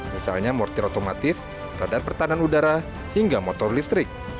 misalnya mortir otomatis radar pertahanan udara hingga motor listrik